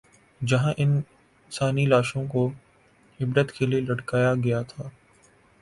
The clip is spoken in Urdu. جہاں انسانی لاشوں کو عبرت کے لیے لٹکایا گیا تھا۔